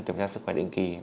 tìm ra sức khỏe định kỳ